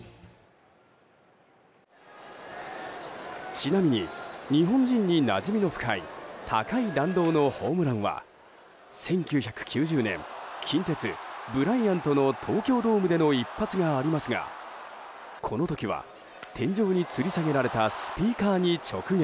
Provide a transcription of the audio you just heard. ちなみに、日本人になじみの深い高い弾道のホームランは１９９０年、近鉄ブライアントの東京ドームでの一発がありますがこの時は、天井につり下げられたスピーカーに直撃。